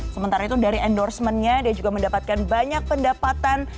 sementara itu dari endorsementnya dia juga mendapatkan banyak pendapatan